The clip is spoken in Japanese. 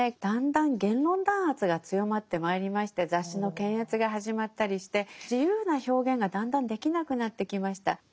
だんだん言論弾圧が強まってまいりまして雑誌の検閲が始まったりして自由な表現がだんだんできなくなってきました。